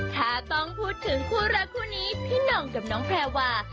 ถ้าต้องพูดถึงคู่รักคู่นี้พี่หน่องกับน้องแพรวา